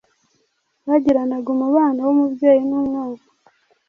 bagiranaga umubano w’umubyeyi n’umwana